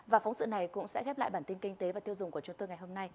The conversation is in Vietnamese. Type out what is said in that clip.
và phóng sự này cũng sẽ khép lại bản tin kinh tế và tiêu dùng của chúng tôi ngày hôm nay